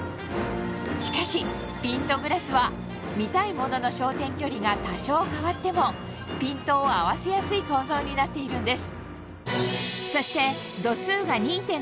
しかしピントグラスは見たいものの焦点距離が多少変わってもピントを合わせやすい構造になっているんです